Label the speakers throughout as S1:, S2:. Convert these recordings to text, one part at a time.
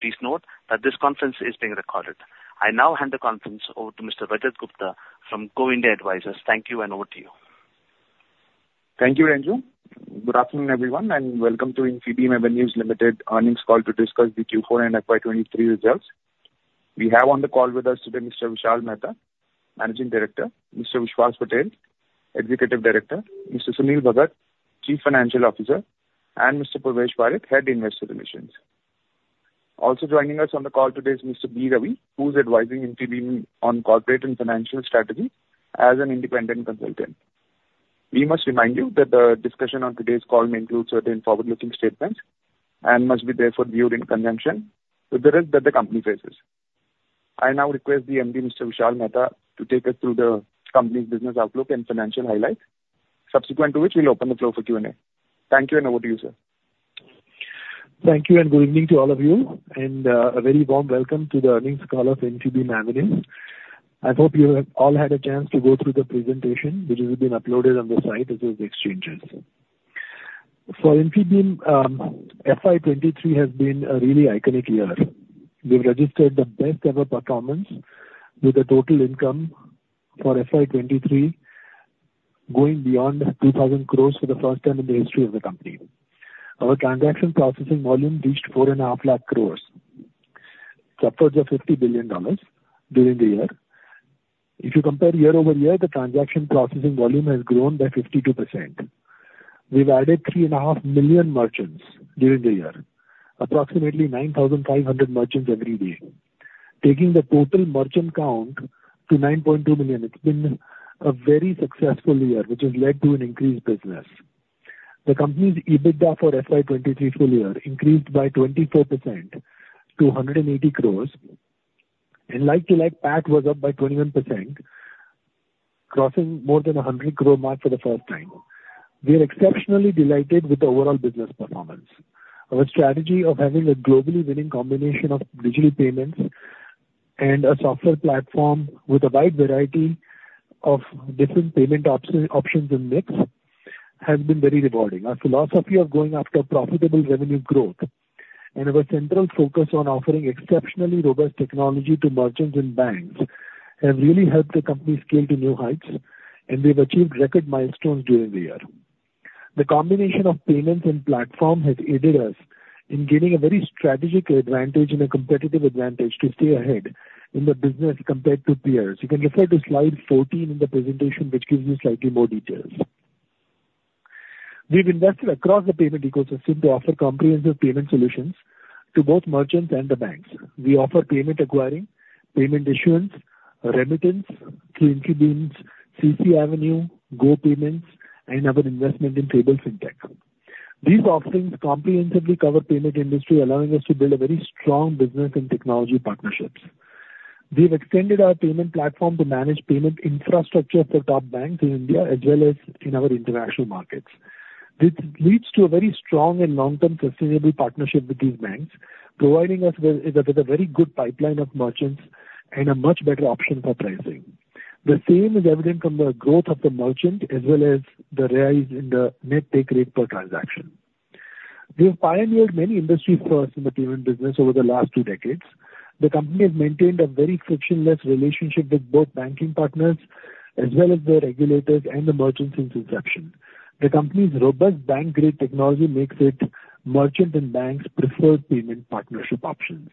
S1: Please note that this conference is being recorded. I now hand the conference over to Mr. Vijay Gupta from Go India Advisors. Thank you. Over to you.
S2: Thank you, Anju. Good afternoon, everyone, welcome to Infibeam Avenues Limited earnings call to discuss the Q4 and FY 23 results. We have on the call with us today Mr. Vishal Mehta, Managing Director, Mr. Vishwas Patel, Executive Director, Mr. Sunil Bhagat, Chief Financial Officer, and Mr. Purvesh Parekh, Head, Investor Relations. Also joining us on the call today is Mr. B. Ravi, who's advising Infibeam on corporate and financial strategy as an independent consultant. We must remind you that the discussion on today's call may include certain forward-looking statements must be therefore viewed in conjunction with the risk that the company faces. I now request the MD, Mr. Vishal Mehta, to take us through the company's business outlook and financial highlights, subsequent to which we'll open the floor for Q&A. Thank you, over to you, sir.
S3: Thank you, good evening to all of you, and a very warm welcome to the earnings call of Infibeam Avenues. I hope you have all had a chance to go through the presentation, which has been uploaded on the site of those exchanges. For Infibeam, FY 2023 has been a really iconic year. We've registered the best ever performance, with a total income for FY 2023 going beyond 2,000 crores for the first time in the history of the company. Our transaction processing volume reached 4.5 lakh crores, upwards of $50 billion during the year. If you compare year-over-year, the transaction processing volume has grown by 52%. We've added 3.5 million merchants during the year, approximately 9,500 merchants every day, taking the total merchant count to 9.2 billion. It's been a very successful year, which has led to an increased business. The company's EBITDA for FY 2023 full year increased by 24% to 180 crores and like-to-like PAT was up by 21%, crossing more than an 100 crore mark for the first time. We are exceptionally delighted with the overall business performance. Our strategy of having a globally winning combination of digital payments and a software platform with a wide variety of different payment opts, options and mix has been very rewarding. Our philosophy of going after profitable revenue growth and our central focus on offering exceptionally robust technology to merchants and banks, have really helped the company scale to new heights, and we've achieved record milestones during the year. The combination of payments and platform has aided us in gaining a very strategic advantage and a competitive advantage to stay ahead in the business compared to peers. You can refer to slide 14 in the presentation, which gives you slightly more details. We've invested across the payment ecosystem to offer comprehensive payment solutions to both merchants and the banks. We offer payment acquiring, payment issuance, remittance through Infibeam Avenues' CCAvenue, Go Payments and our investment in Fable Fintech. These offerings comprehensively cover payment industry, allowing us to build a very strong business and technology partnerships. We've extended our payment platform to manage payment infrastructure for top banks in India as well as in our international markets. This leads to a very strong and long-term sustainable partnership with these banks, providing us with a very good pipeline of merchants and a much better option for pricing. The same is evident from the growth of the merchant as well as the rise in the net take rate per transaction. We have pioneered many industry first in the payment business over the last 2 decades. The company has maintained a very frictionless relationship with both banking partners as well as the regulators and the merchants since inception. The company's robust bank-grade technology makes it merchant and banks' preferred payment partnership options.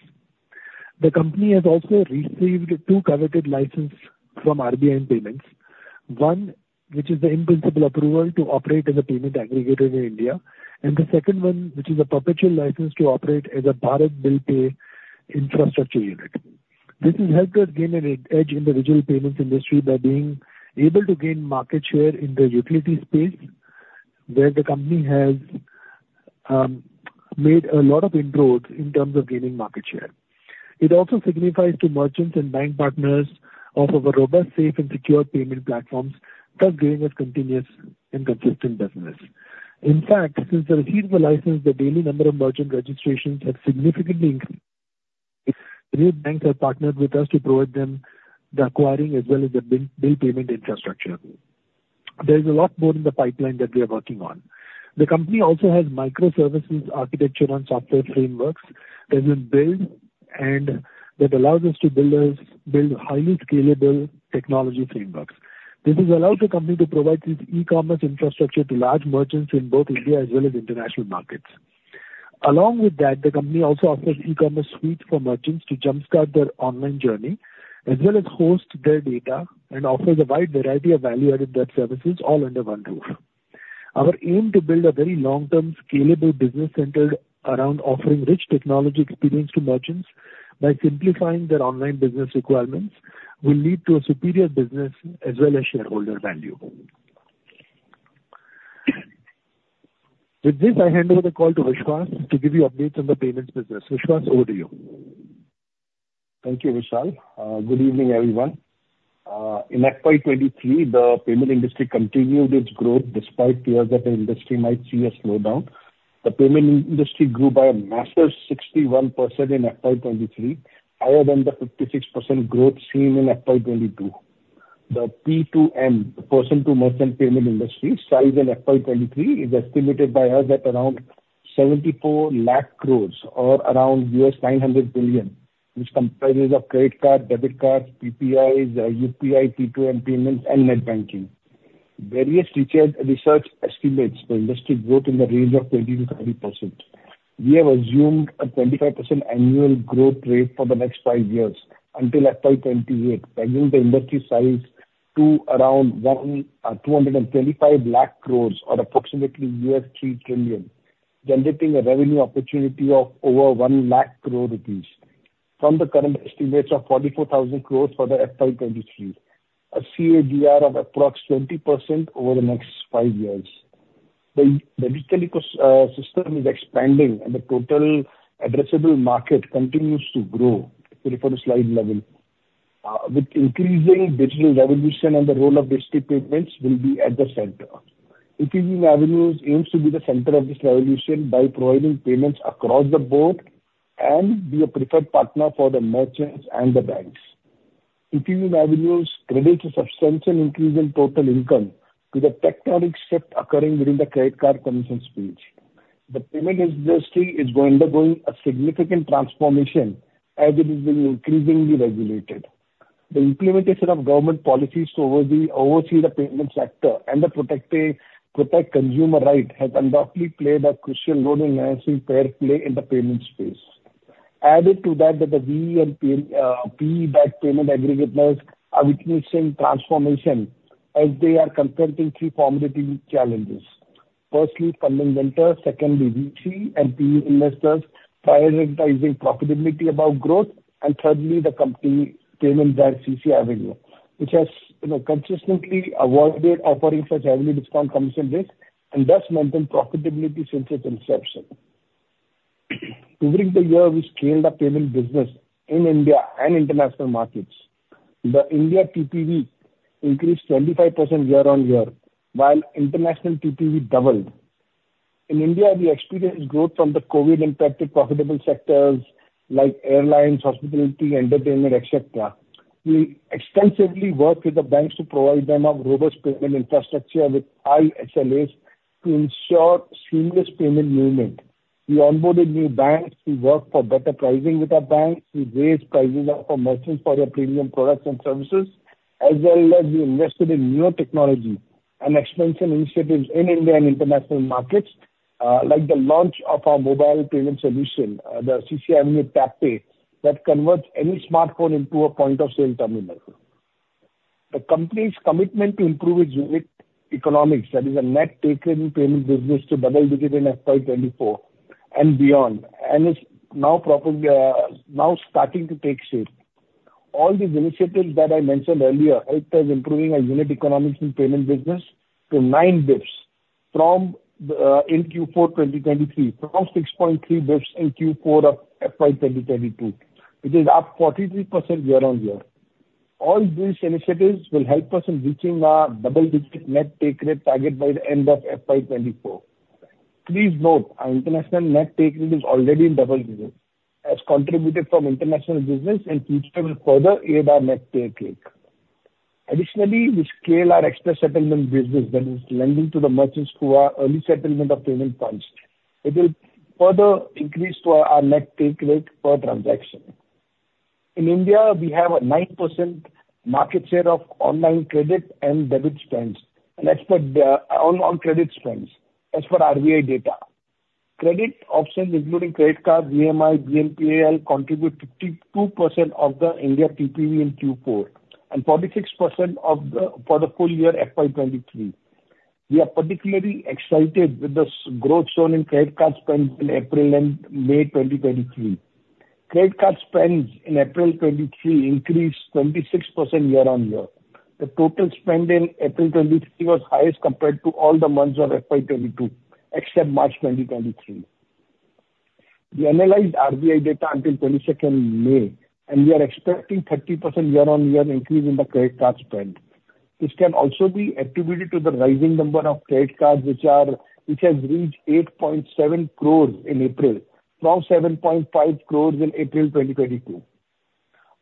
S3: The company has also received 2 coveted license from RBI payments, one, which is the in-principle approval to operate as a payment aggregator in India, and the second one, which is a perpetual license to operate as a Bharat BillPay infrastructure unit. This has helped us gain an e-edge in the digital payments industry by being able to gain market share in the utility space, where the company has made a lot of inroads in terms of gaining market share. It also signifies to merchants and bank partners of our robust, safe and secure payment platforms, thus gaining us continuous and consistent business. In fact, since the receipt of the license, the daily number of merchant registrations have significantly increased. Three banks have partnered with us to provide them the acquiring as well as the bill payment infrastructure. There is a lot more in the pipeline that we are working on. The company also has microservices, architecture and software frameworks that we build and that allows us to build highly scalable technology frameworks. This has allowed the company to provide its e-commerce infrastructure to large merchants in both India as well as international markets. Along with that, the company also offers e-commerce suite for merchants to jumpstart their online journey, as well as host their data and offers a wide variety of value-added debt services all under one roof. Our aim to build a very long-term, scalable business centered around offering rich technology experience to merchants by simplifying their online business requirements, will lead to a superior business as well as shareholder value. With this, I hand over the call to Vishwas to give you updates on the payments business. Vishwas, over to you.
S1: Thank you, Vishal. Good evening, everyone. In FY 2023, the payment industry continued its growth despite fears that the industry might see a slowdown. The payment industry grew by a massive 61% in FY 2023, higher than the 56% growth seen in FY 2022. The P2M, the person to merchant payment industry, size in FY 2023 is estimated by us at around 74 lakh crores or around $900 billion, which comprises of credit card, debit cards, PPIs, UPI, P2M payments, and net banking. Various research estimates the industry growth in the range of 20–30% We have assumed a 25% annual growth rate for the next five years until FY 2028, bringing the industry size to around 235 lakh crores or approximately $3 trillion, generating a revenue opportunity of over 1 lakh crore rupees from the current estimates of 44,000 crores for the FY 2023, a CAGR of approx 20% over the next five years. The digital ecosystem is expanding, the total addressable market continues to grow, refer to slide level with increasing digital revolution and the role of digital payments will be at the center. Increasing avenues aims to be the center of this revolution by providing payments across the board and be a preferred partner for the merchants and the banks. zIncreasing avenues credits a substantial increase in total income to the tectonic shift occurring within the credit card com mission space. The payment industry is undergoing a significant transformation as it is being increasingly regulated. The implementation of government policies to oversee the payment sector and protect consumer right has undoubtedly played a crucial role in enhancing fair play in the payment space. Added to that the VC and PE-backed payment aggregators are witnessing transformation as they are confronting three formative challenges. Firstly, funding winter, secondly, VC and PE investors prioritizing profitability above growth, and thirdly, the company payment that CCAvenue, which has, you know, consistently avoided operating such heavy discount commission risk and thus maintain profitability since its inception. During the year, we scaled our payment business in India and international markets. The India TPV increased 25% year-on-year, while international TPV doubled. In India, we experienced growth from the COVID-impacted profitable sectors like airlines, hospitality, entertainment, et cetera. We extensively worked with the banks to provide them a robust payment infrastructure with high SLAs to ensure seamless payment movement. We onboarded new banks. We worked for better pricing with our banks. We raised pricing for merchants for their premium products and services, as well as we invested in newer technology and expansion initiatives in India and international markets, like the launch of our mobile payment solution, the CCAvenue TapPay, that converts any smartphone into a point-of-sale terminal. The company's commitment to improve its unit economics, that is a net take-in payment business to double-digit in FY 2024 and beyond, it's now properly now starting to take shape. All these initiatives that I mentioned earlier helped us improving our unit economics in payment business to 9 bps in Q4 2023, from 6.3 bps in Q4 of FY 2022, which is up 43% year-on-year. All these initiatives will help us in reaching our double-digit net take rate target by the end of FY 2024. Please note, our international net take rate is already in double digits, as contributed from international business and future will further aid our net take rate. We scale our express settlement business, that is lending to the merchants through our early settlement of payment funds. It will further increase to our net take rate per transaction. In India, we have a 9% market share of online credit and debit spends, and expect on credit spends as per RBI data. Credit options, including credit card, BMI, BNPL, contribute 52% of the India TPV in Q4 and 46% of the, for the full year FY 2023. We are particularly excited with the growth shown in credit card spend in April and May 2023. Credit card spends in April 2023 increased 26% year-on-year. The total spend in April 2023 was highest compared to all the months of FY 2022, except March 2023. We analyzed RBI data until 22nd May, and we are expecting 30% year-on-year increase in the credit card spend. This can also be attributed to the rising number of credit cards, which has reached 8.7 crores in April from 7.5 crores in April 2022.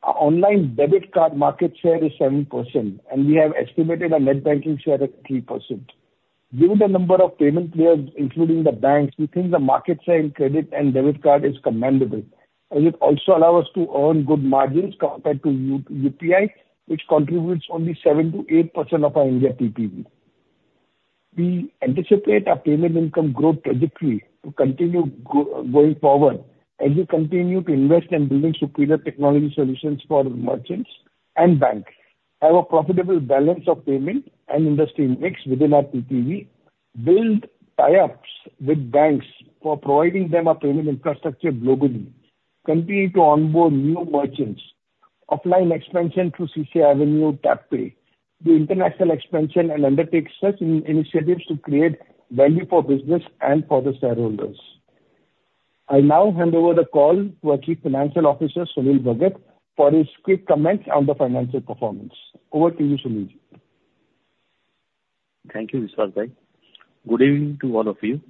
S1: Our online debit card market share is 7%, and we have estimated our net banking share at 3%. Given the number of payment players, including the banks, we think the market share in credit and debit card is commendable, as it also allow us to earn good margins compared to UPI, which contributes only 7%-8% of our India TPV. We anticipate our payment income growth trajectory to continue going forward as we continue to invest in building superior technology solutions for merchants and banks, have a profitable balance of payment and industry mix within our TPV, build tie-ups with banks for providing them a payment infrastructure globally, continue to onboard new merchants, offline expansion through CCAvenue TapPay, the international expansion, and undertake such initiatives to create value for business and for the shareholders. I now hand over the call to our Chief Financial Officer, Sunil Bhagat, for his quick comments on the financial performance. Over to you, Sunil.
S4: ...Thank you, Vishwas, bye. Good evening to all of you.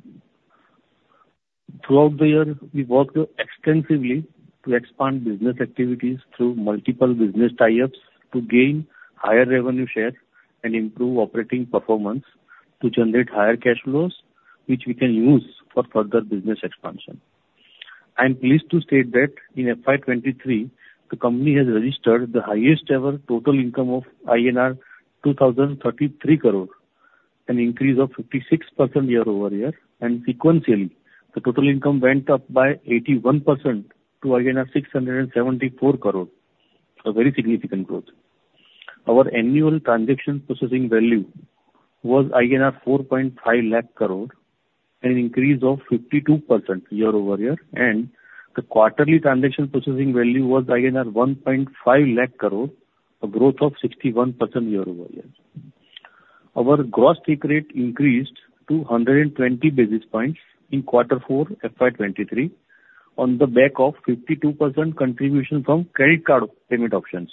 S4: Throughout the year, we worked extensively to expand business activities through multiple business tie-ups to gain higher revenue share and improve operating performance to generate higher cash flows, which we can use for further business expansion. I'm pleased to state that in FY23, the company has registered the highest ever total income of INR 2,033 crore, an increase of 56% year-over-year. Sequentially, the total income went up by 81% to 674 crore, a very significant growth. Our annual transaction processing value was 450,000 crore, an increase of 52% year-over-year, and the quarterly transaction processing value was 150,000 crore, a growth of 61% year-over-year. Our gross take rate increased to 120 basis points in quarter four, FY 2023, on the back of 52% contribution from credit card payment options.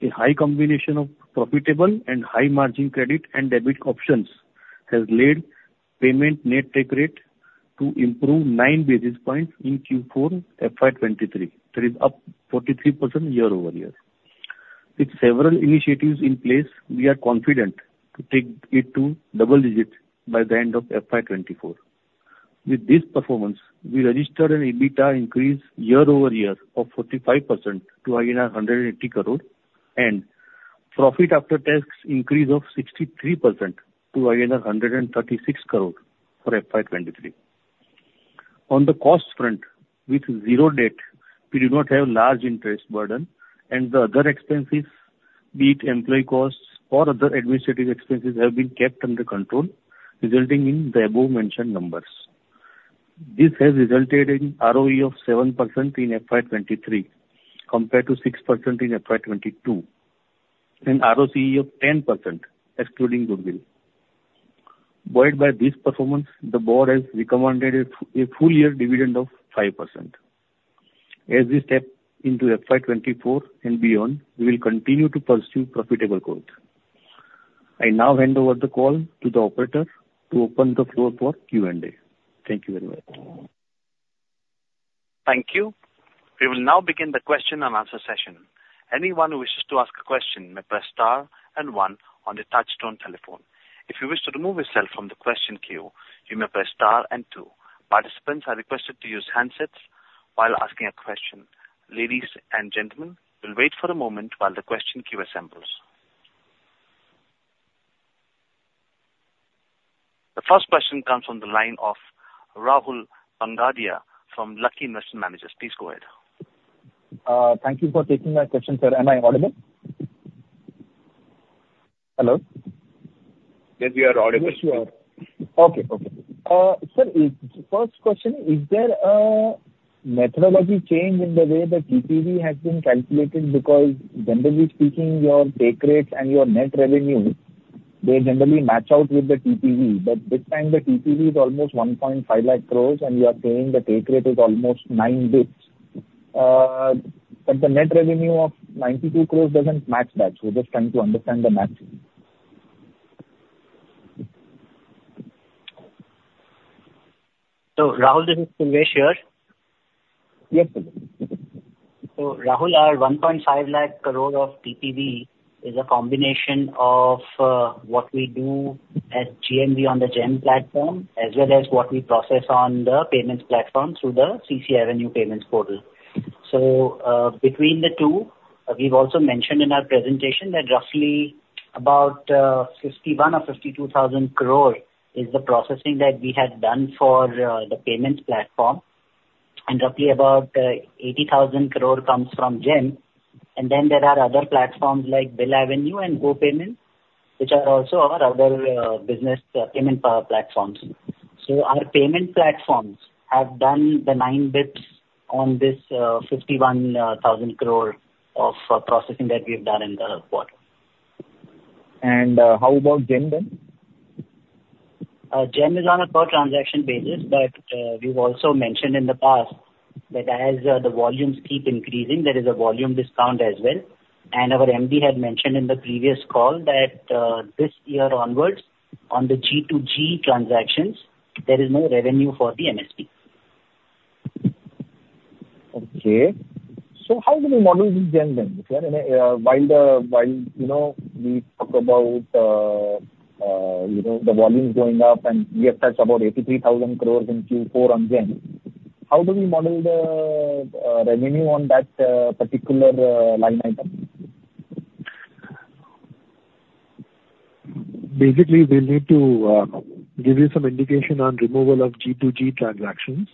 S4: A high combination of profitable and high margin credit and debit options has led payment net take rate to improve 9 basis points in Q4, FY 2023. That is up 43% year-over-year. With several initiatives in place, we are confident to take it to double digits by the end of FY 2024. With this performance, we registered an EBITDA increase year-over-year of 45% to INR 180 crore, and profit after tax increase of 63% to INR 136 crore for FY 2023. On the cost front, with 0 debt, we do not have large interest burden. The other expenses, be it employee costs or other administrative expenses, have been kept under control, resulting in the above mentioned numbers. This has resulted in ROE of 7% in FY 2023, compared to 6% in FY 2022, and ROCE of 10%, excluding goodwill. Buoyed by this performance, the board has recommended a full year dividend of 5%. As we step into FY 2024 and beyond, we will continue to pursue profitable growth. I now hand over the call to the operator to open the floor for Q&A. Thank you very much.
S5: Thank you. We will now begin the question and answer session. Anyone who wishes to ask a question may press star and one on the touchtone telephone. If you wish to remove yourself from the question queue, you may press star and two. Participants are requested to use handsets while asking a question. Ladies and gentlemen, we'll wait for a moment while the question queue assembles. The first question comes from the line of Rahul Bhangadia from Lucky Investment Managers. Please go ahead.
S6: Thank you for taking my question, sir. Am I audible? Hello?
S4: Yes, we are audible.
S5: Yes, you are.
S6: Okay. Okay. Sir, first question, is there a methodology change in the way the TPV has been calculated? Generally speaking, your take rates and your net revenue, they generally match out with the TPV. This time the TPV is almost 1.5 lakh crores, and you are saying the take rate is almost 9 basis points. The net revenue of 92 crores doesn't match that. Just trying to understand the math.
S7: Rahul, this is Suresh here.
S6: Yes, sir.
S7: Rahul, our 1.5 lakh crore of TPV is a combination of what we do at GMV on the GeM platform, as well as what we process on the payments platform through the CCAvenue payments portal. Between the two, we've also mentioned in our presentation that roughly about 51,000 or 52,000 crore is the processing that we had done for the payments platform, and roughly about 80,000 crore comes from GeM. There are other platforms like BillAvenue and Go Payments, which are also our other business payment power platforms. Our payment platforms have done the 9 bps on this 51,000 crore of processing that we've done in the quarter.
S6: How about GeM then?
S7: GeM is on a per transaction basis, but we've also mentioned in the past that as the volumes keep increasing, there is a volume discount as well. Our MD had mentioned in the previous call that this year onwards, on the G2G transactions, there is no revenue for the MSP.
S6: Okay. How do we model with GeM then, sir? While, you know, we talk about, you know, the volumes going up and we have touched about 83,000 crores in Q4 on GeM, how do we model the revenue on that particular line item?
S4: Basically, we'll need to give you some indication on removal of G2G transactions,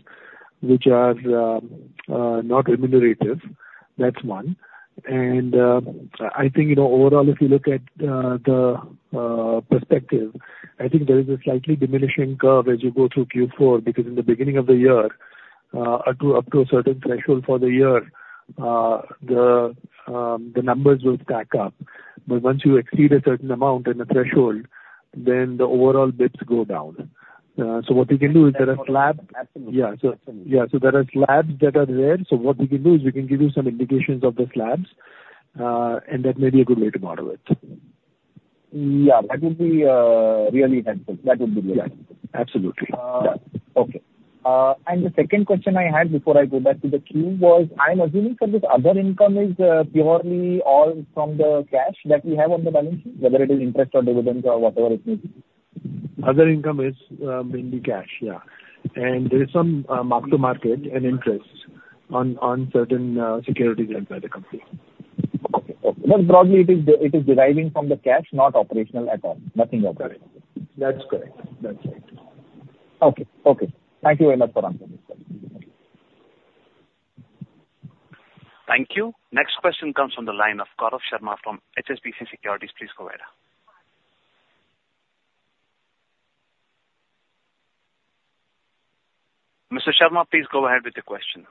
S4: which are not remunerative. That's one. I think, you know, overall, if you look at the perspective, I think there is a slightly diminishing curve as you go through Q4, because in the beginning of the year, up to a certain threshold for the year, the numbers will stack up. Once you exceed a certain amount and the threshold, then the overall bits go down. ...
S3: what we can do is there are labs. Yeah, there are labs that are there, what we can do is we can give you some indications of those labs, that may be a good way to model it.
S6: Yeah, that would be really helpful. That would be great.
S3: Yeah, absolutely.
S6: Okay. The second question I had before I go back to the queue was, I'm assuming, sir, this other income is purely all from the cash that we have on the balance sheet, whether it is interest or dividends or whatever it may be?
S3: Other income is mainly cash. There is some mark to market and interest on certain securities held by the company.
S6: Okay. Broadly, it is deriving from the cash, not operational at all. Nothing operational.
S3: That's correct. That's right.
S6: Okay. Okay. Thank you very much for answering.
S5: Thank you. Next question comes from the line of Gaurav Sharma from HSBC Securities. Please go ahead. Mr. Sharma, please go ahead with your question.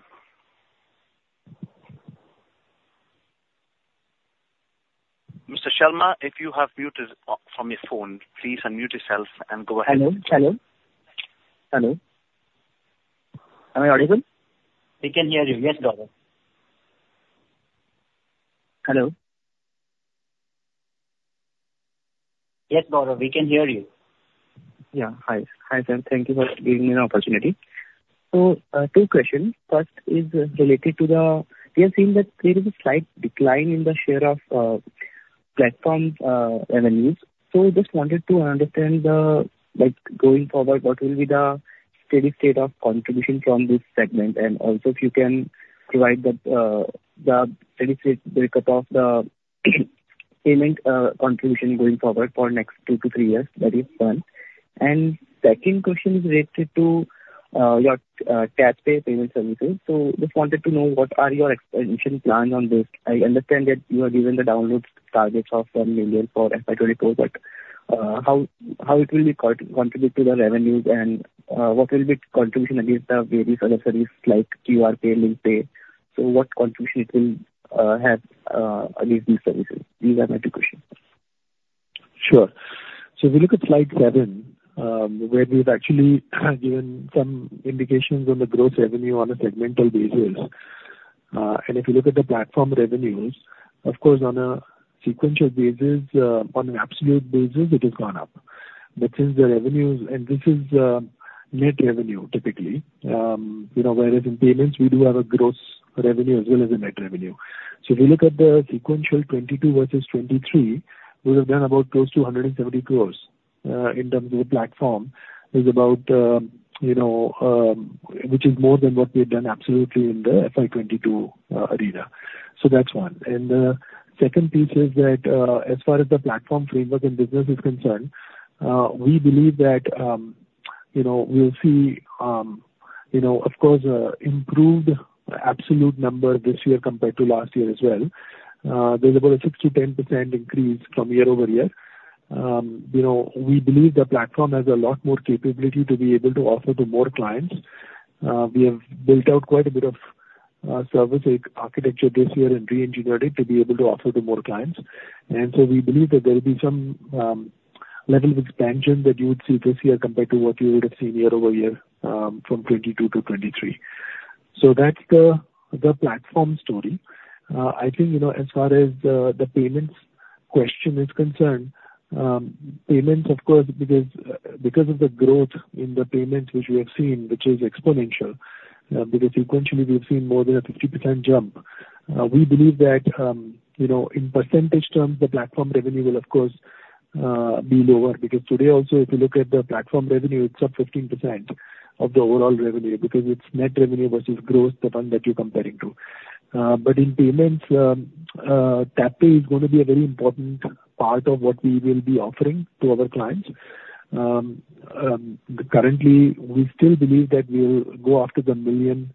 S5: Mr. Sharma, if you have muted from your phone, please unmute yourself and go ahead.
S8: Hello? Hello. Hello. Am I audible?
S5: We can hear you. Yes, Gaurav.
S8: Hello?
S5: Yes, Gaurav, we can hear you.
S8: Hi. Hi, sir. Thank you for giving me an opportunity. Two questions. We have seen that there is a slight decline in the share of platform revenues. Just wanted to understand, like, going forward, what will be the steady state of contribution from this segment? Also, if you can provide the steady state breakup of the payment contribution going forward for next 2-3 years. That is one. Second question is related to your tap-to-pay payment services. Just wanted to know, what are your expansion plans on this? I understand that you have given the download targets of 1 million for FY 2024, but how it will be contribute to the revenues, and what will be the contribution against the various other services like QR pay, BillPay? What contribution it will have at least these services? These are my two questions.
S3: Sure. If you look at slide seven, where we've actually given some indications on the growth revenue on a segmental basis. If you look at the platform revenues, of course, on a sequential basis, on an absolute basis, it has gone up. This is the revenues, and this is net revenue, typically. You know, whereas in payments, we do have a gross revenue as well as a net revenue. If you look at the sequential 22 versus 23, we have done about close to 170 crore, in terms of the platform. Is about, you know, which is more than what we've done absolutely in the FY 22, arena. That's one. The second piece is that, as far as the platform framework and business is concerned, we believe that, you know, we'll see, you know, of course a improved absolute number this year compared to last year as well. There's about a 6%-10% increase from year-over-year. You know, we believe the platform has a lot more capability to be able to offer to more clients. We have built out quite a bit of service architecture this year and reengineered it to be able to offer to more clients. We believe that there will be some level of expansion that you would see this year compared to what you would have seen year-over-year from 2022-2023. That's the platform story. I think, you know, as far as the payments question is concerned, payments, of course, because of the growth in the payments which we have seen, which is exponential, because sequentially we've seen more than a 50% jump. We believe that, you know, in percentage terms, the platform revenue will of course be lower. Because today also, if you look at the platform revenue, it's up 15% of the overall revenue, because it's net revenue versus growth, the one that you're comparing to. In payments, TapPay is going to be a very important part of what we will be offering to our clients. Currently, we still believe that we'll go after the 1 million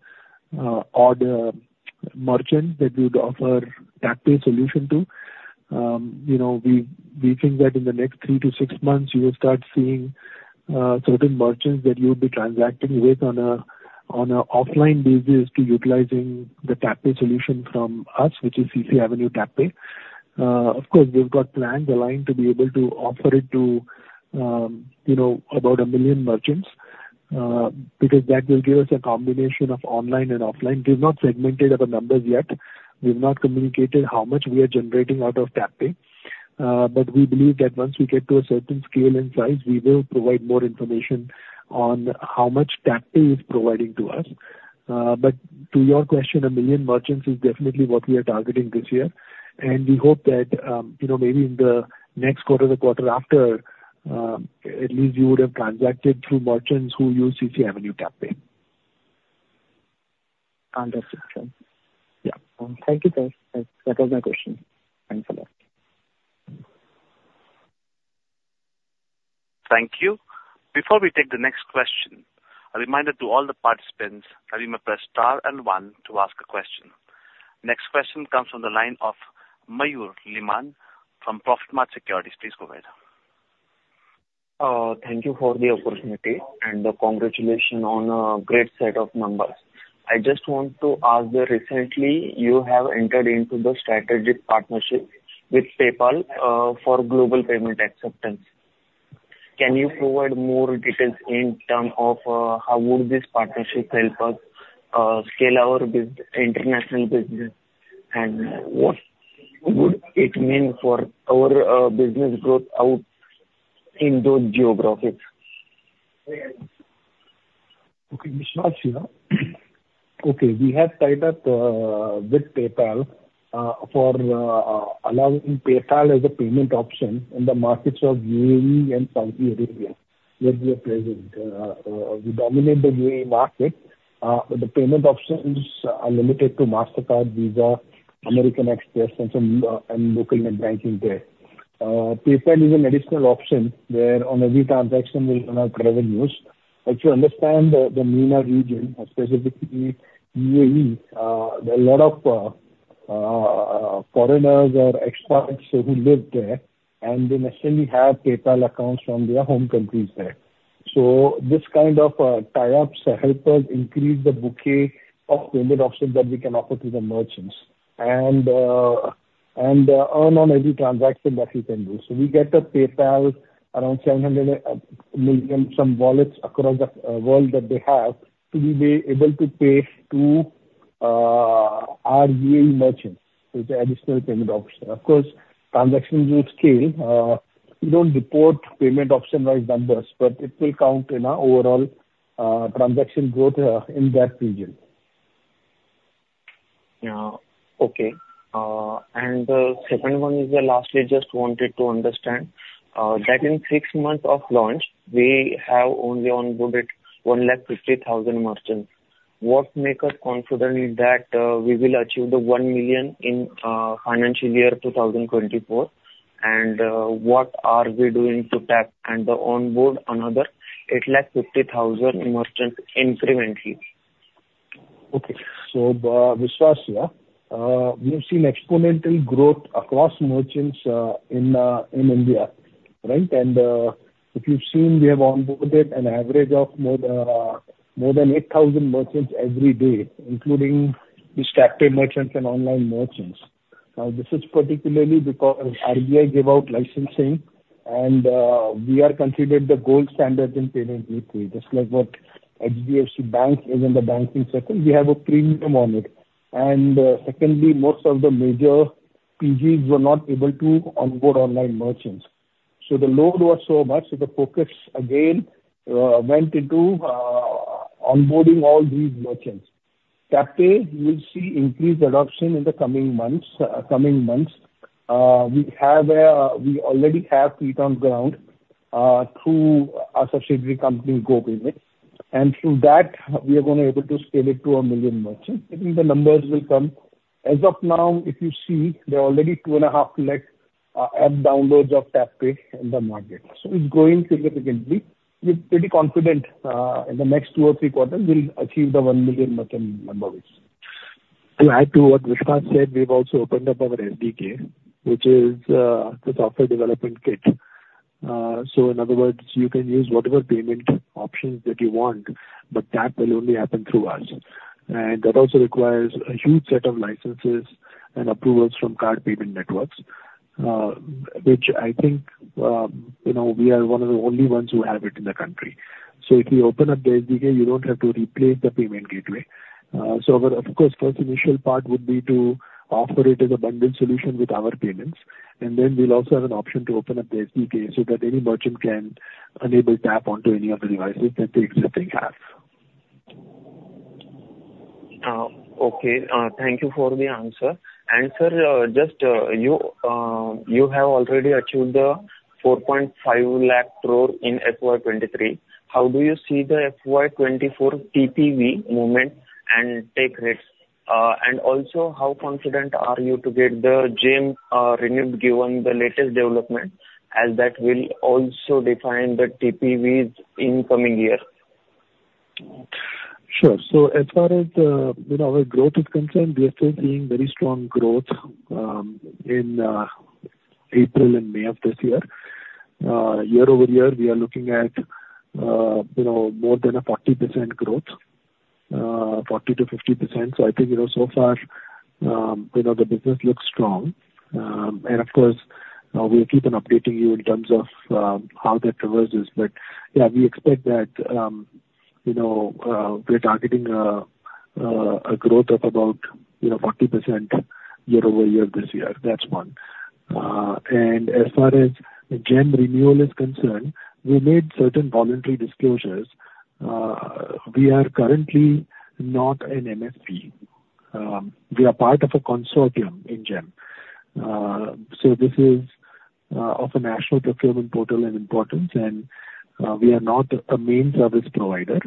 S3: order merchants that we would offer TapPay solution to. you know, we think that in the next three to six months, you will start seeing certain merchants that you would be transacting with on a offline basis to utilizing the TapPay solution from us, which is CCAvenue TapPay. Of course, we've got plans aligned to be able to offer it to, you know, about 1 million merchants because that will give us a combination of online and offline. We've not segmented our numbers yet. We've not communicated how much we are generating out of TapPay, but we believe that once we get to a certain scale and size, we will provide more information on how much TapPay is providing to us. To your question, 1 million merchants is definitely what we are targeting this year, and we hope that, you know, maybe in the next quarter or the quarter after, at least you would have transacted through merchants who use CCAvenue TapPay.
S8: Understood, sir.
S3: Yeah.
S8: Thank you, sir. That was my question. Thanks a lot.
S5: Thank you. Before we take the next question, a reminder to all the participants that you may press star and one to ask a question. Next question comes from the line of Mayur Liman from Profitmart Securities. Please go ahead.
S9: Thank you for the opportunity and congratulations on a great set of numbers.... I just want to ask, recently you have entered into the strategic partnership with PayPal for global payment acceptance. Can you provide more details in term of, how would this partnership help us scale our international business? What would it mean for our business growth out in those geographies?
S1: Vishwas here. We have tied up with PayPal for allowing PayPal as a payment option in the markets of UAE and Saudi Arabia, where we are present. We dominate the UAE market, the payment options are limited to Mastercard, Visa, American Express, and some local net banking there. PayPal is an additional option where on every transaction we earn our revenues. As you understand, the MENA region, specifically UAE, there are a lot of foreigners or expats who live there, and they necessarily have PayPal accounts from their home countries there. This kind of tie-ups help us increase the bouquet of payment options that we can offer to the merchants and earn on every transaction that we can do. We get the PayPal around 700 million, some wallets across the world that they have, to be able to pay to our UAE merchants. It's an additional payment option. Of course, transactions will scale. We don't report payment option-wide numbers, but it will count in our overall transaction growth in that region.
S9: Yeah. Okay. The second one is the last. We just wanted to understand that in 6 months of launch, we have only onboarded 150,000 merchants. What make us confident that we will achieve the 1 million in financial year 2024? What are we doing to tap and onboard another 850,000 merchants incrementally?
S1: Okay. Vishwas here. We have seen exponential growth across merchants in India, right? If you've seen, we have onboarded an average of more than 8,000 merchants every day, including these captive merchants and online merchants. This is particularly because RBI gave out licensing, we are considered the gold standard in payment gateway. Just like what HDFC Bank is in the banking sector, we have a premium on it. Secondly, most of the major PGs were not able to onboard online merchants, the load was so much that the focus again went into onboarding all these merchants. TapPay, you will see increased adoption in the coming months. We already have feet on ground through our subsidiary company, GoPayment, and through that, we are going to able to scale it to 1 million merchants. I think the numbers will come. As of now, if you see, there are already 2.5 lakh app downloads of TapPay in the market. It's growing significantly. We're pretty confident in the next two or three quarters, we'll achieve the 1 million merchant numbers.
S3: To add to what Vishwas said, we've also opened up our SDK, which is the software development kit. In other words, you can use whatever payment options that you want, but that will only happen through us. That also requires a huge set of licenses and approvals from card payment networks, which I think, you know, we are one of the only ones who have it in the country. If you open up the SDK, you don't have to replace the payment gateway. Our, of course, first initial part would be to offer it as a bundled solution with our payments, and then we'll also have an option to open up the SDK, so that any merchant can enable Tap onto any of the devices that they already have.
S9: Okay. Thank you for the answer. Sir, just, you have already achieved the 4.5 lakh crore in FY 2023. How do you see the FY 2024 TPV movement and take rates? Also, how confident are you to get the GeM renewed, given the latest development, as that will also define the TPVs in coming years?
S3: Sure. As far as our growth is concerned, we are still seeing very strong growth in April and May of this year. Year-over-year, we are looking at more than a 40% growth, 40-50%. I think so far, the business looks strong. Of course, we'll keep on updating you in terms of how that traverses. Yeah, we expect that we're targeting a growth of about 40% year-over-year this year. That's one. As far as the GeM renewal is concerned, we made certain voluntary disclosures. We are currently not an MSP. We are part of a consortium in GeM. This is of a national procurement portal and importance, we are not a main service provider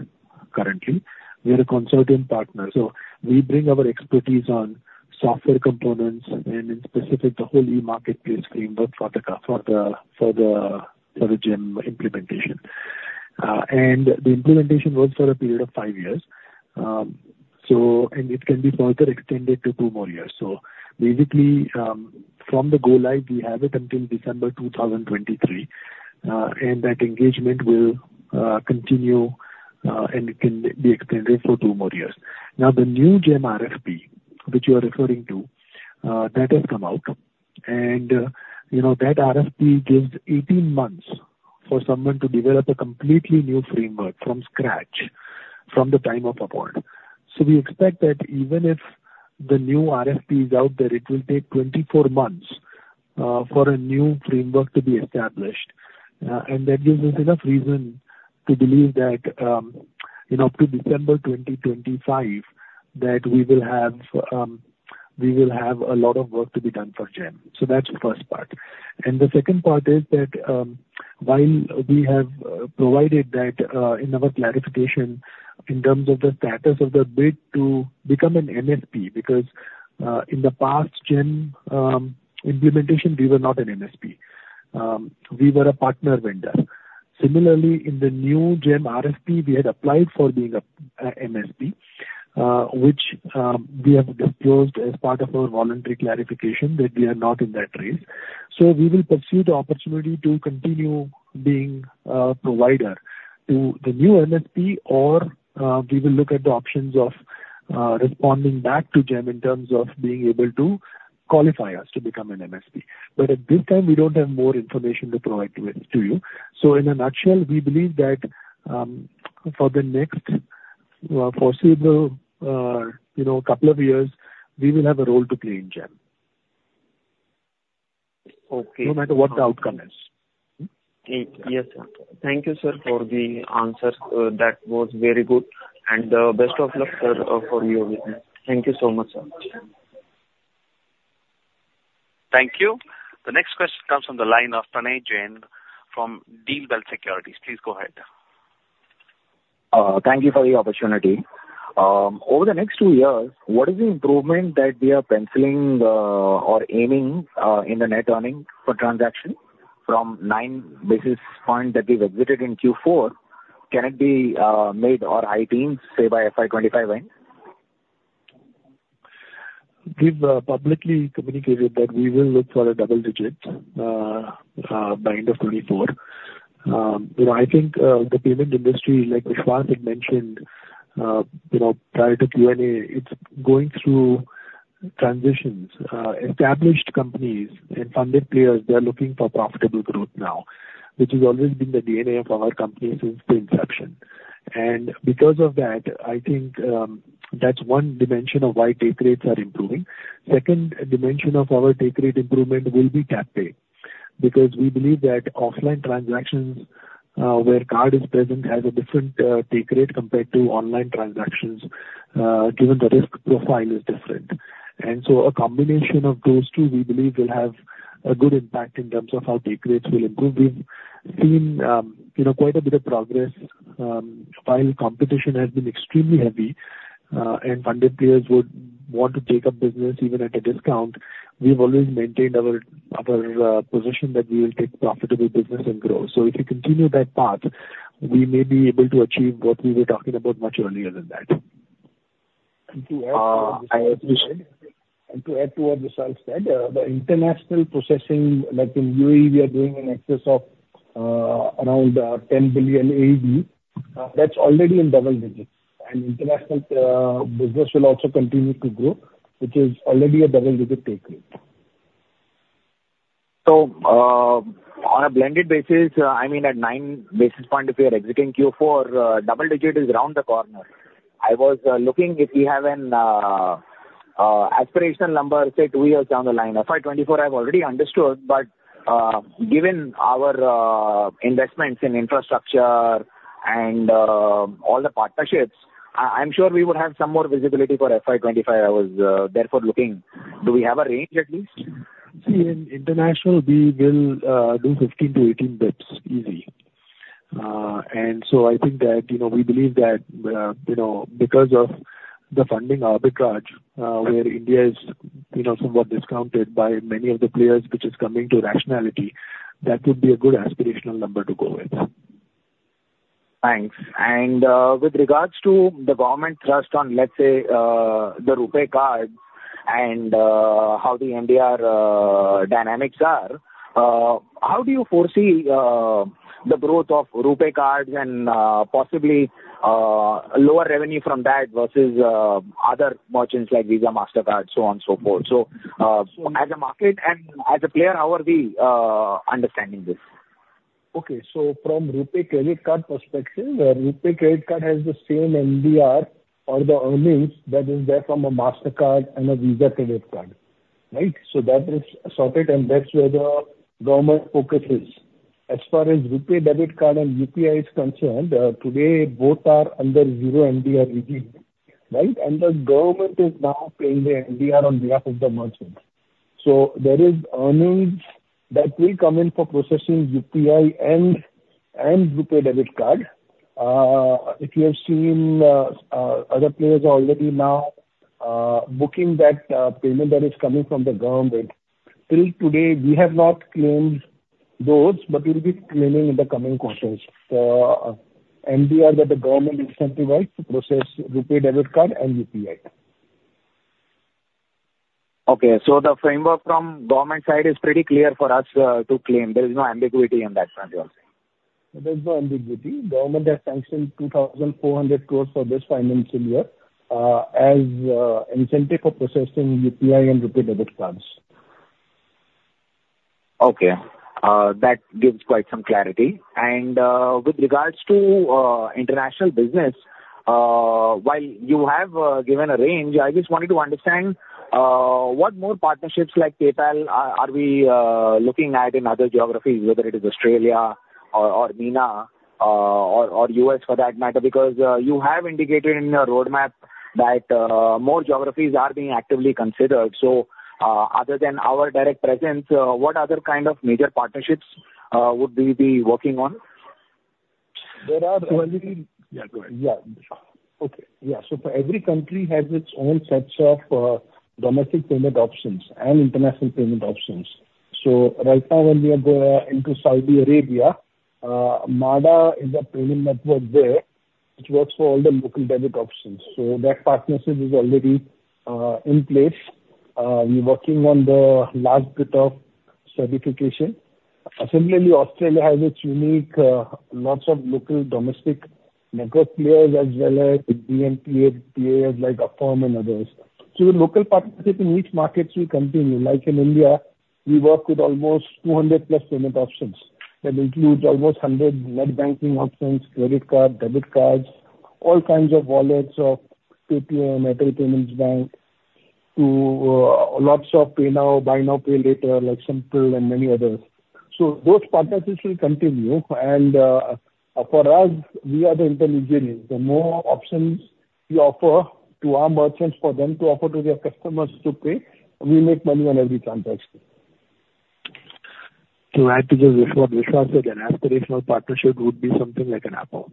S3: currently. We are a consortium partner, we bring our expertise on software components and in specific, the whole e-marketplace framework for the GEM implementation. The implementation was for a period of 5 years. It can be further extended to 2 more years. From the go live, we have it until December 2023. That engagement will continue and can be extended for 2 more years. The new GEM RFP, which you are referring to, that has come out, you know, that RFP gives 18 months for someone to develop a completely new framework from scratch, from the time of award. We expect that even if the new RFP is out there, it will take 24 months for a new framework to be established. That gives us enough reason to believe that, you know, up to December 2025, that we will have a lot of work to be done for GeM. That's the first part. The second part is that while we have provided that in our clarification in terms of the status of the bid to become an MSP, because in the past GeM implementation, we were not an MSP. We were a partner vendor. Similarly, in the new GeM RFP, we had applied for being a MSP, which we have disclosed as part of our voluntary clarification that we are not in that race. We will pursue the opportunity to continue being a provider to the new MSP, or we will look at the options of responding back to GeM in terms of being able to qualify us to become an MSP. At this time, we don't have more information to provide to you. In a nutshell, we believe that, for the next foreseeable, you know, couple of years, we will have a role to play in GeM.
S9: Okay.
S3: No matter what the outcome is.
S9: Yes, sir. Thank you, sir, for the answers. That was very good. Best of luck, sir, for your business. Thank you so much, sir.
S5: Thank you. The next question comes from the line of Tanay Jain from Deal Wealth Capital. Please go ahead.
S10: Thank you for the opportunity. Over the next 2 years, what is the improvement that we are penciling or aiming in the net earning for transaction from 9 basis points that we've exited in Q4? Can it be made or IP say by FY 25 end?
S3: We've publicly communicated that we will look for a double digit by end of 2024. You know, I think the payment industry, like Vishal had mentioned, you know, prior to Q&A, it's going through transitions. Established companies and funded players, they're looking for profitable growth now, which has always been the DNA of our company since the inception. Because of that, I think that's one dimension of why take rates are improving. Second dimension of our take rate improvement will be cap table, because we believe that offline transactions, where card is present, has a different take rate compared to online transactions, given the risk profile is different. A combination of those two, we believe will have a good impact in terms of how take rates will improve. We've seen, you know, quite a bit of progress. While competition has been extremely heavy, and funded players would want to take up business even at a discount, we've always maintained our position that we will take profitable business and grow. If you continue that path, we may be able to achieve what we were talking about much earlier than that. I appreciate. To add to what Vishal said, the international processing, like in UAE, we are doing in excess of around 10 billion AED. That's already in double digits. International business will also continue to grow, which is already a double-digit take rate.
S10: On a blended basis, at nine basis point, if you're exiting Q4, double digit is around the corner. I was looking if we have an aspirational number, say, two years down the line. FY 2024, I've already understood, given our investments in infrastructure and all the partnerships, I'm sure we would have some more visibility for FY 2025. I was therefore looking. Do we have a range at least?
S3: See, in international, we will do 15-18 bits, easy. I think that, you know, we believe that, you know, because of the funding arbitrage, where India is, you know, somewhat discounted by many of the players which is coming to rationality, that would be a good aspirational number to go with.
S10: Thanks. With regards to the government trust on, let's say, the RuPay cards and how the MDR dynamics are, how do you foresee the growth of RuPay cards and possibly lower revenue from that versus other merchants like Visa, Mastercard, so on, so forth? As a market and as a player, how are we understanding this?
S3: Okay. From RuPay credit card perspective, RuPay credit card has the same MDR or the earnings that is there from a Mastercard and a Visa credit card. Right? That is sorted, and that's where the government focus is. As far as RuPay debit card and UPI is concerned, today, both are under zero MDR regime, right? The government is now paying the MDR on behalf of the merchant. There is earnings that will come in for processing UPI and RuPay debit card. If you have seen, other players already now, booking that, payment that is coming from the government. Till today, we have not claimed those, but we'll be claiming in the coming quarters, the MDR that the government incentivized to process RuPay debit card and UPI. ...
S10: Okay, the framework from government side is pretty clear for us to claim. There is no ambiguity in that front, you are saying?
S3: There's no ambiguity. Government has sanctioned 2,400 crores for this financial year as incentive for processing UPI and RuPay debit cards.
S10: Okay. That gives quite some clarity. With regards to international business, while you have given a range, I just wanted to understand what more partnerships like PayPal are we looking at in other geographies, whether it is Australia or MENA or US for that matter? You have indicated in your roadmap that more geographies are being actively considered. Other than our direct presence, what other kind of major partnerships would we be working on?
S3: There are already-
S10: Yeah, go ahead.
S3: Yeah. Okay. Yeah, every country has its own sets of domestic payment options and international payment options. Right now, when we are going into Saudi Arabia, Mada is a payment network there, which works for all the local debit options, so that partnership is already in place. We're working on the last bit of certification. Similarly, Australia has its unique lots of local domestic network players as well as DNPA players like Affirm and others. The local partnership in each market will continue. Like in India, we work with almost 200 plus payment options. That includes almost 100 net banking options, credit card, debit cards, all kinds of wallets of Paytm, Metro Payments Bank, to lots of pay now, buy now, pay later, like Simpl and many others. Those partnerships will continue. For us, we are the intermediary. The more options we offer to our merchants for them to offer to their customers to pay, we make money on every transaction.
S10: To add to this, what Vishal said, an aspirational partnership would be something like an Apple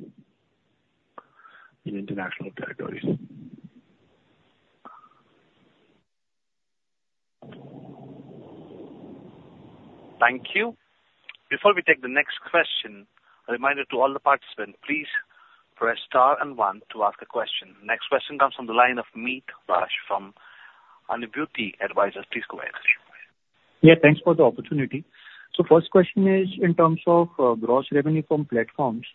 S10: in international territories.
S5: Thank you. Before we take the next question, a reminder to all the participants, please press star and One to ask a question. Next question comes from the line of Meet Shah from Anubhuti Advisors. Please go ahead.
S11: Yeah, thanks for the opportunity. First question is in terms of gross revenue from platforms.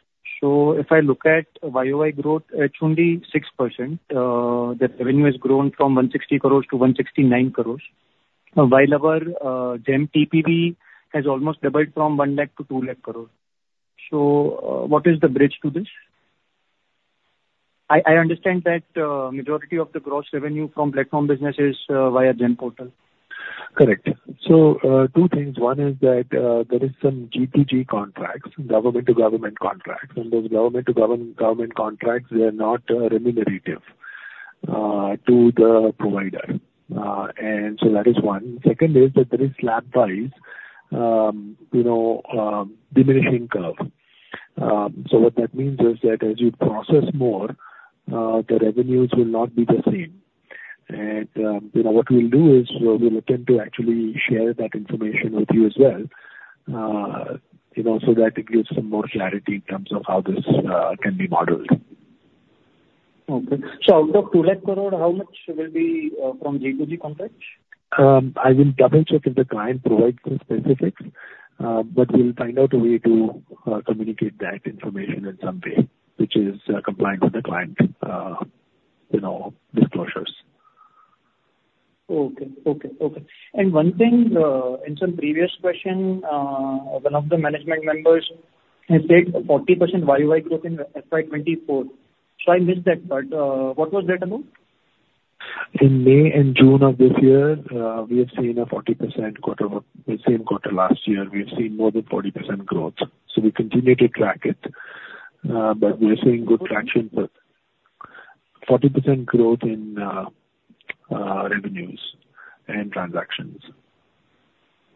S11: If I look at YOY growth, it's only 6%. The revenue has grown from 160 crores to 169 crores, while our GeM TPV has almost doubled from 1 lakh to 200,000 crores. What is the bridge to this? I understand that majority of the gross revenue from platform business is via GeM portal.
S3: Correct. Two things. One is that there is some G2G contracts, government-to-government contracts, and those government-to-government contracts, they are not remunerative to the provider. That is one. Second is that there is slab wise, you know, diminishing curve. What that means is that as you process more, the revenues will not be the same. You know, what we'll do is we'll look into actually share that information with you as well, you know, so that it gives some more clarity in terms of how this can be modeled.
S11: Okay. Out of 2 lakh crore, how much will be from G2G contracts?
S3: I will double-check if the client provides the specifics, but we'll find out a way to communicate that information in some way which is compliant with the client, you know, disclosures.
S11: Okay. Okay, okay. One thing, in some previous question, one of the management members had said 40% YOY growth in FY 2024. I missed that part. What was that amount?
S3: In May and June of this year, we have seen a 40% quarter over the same quarter last year, we have seen more than 40% growth. We continue to track it, but we are seeing good traction with 40% growth in revenues and transactions.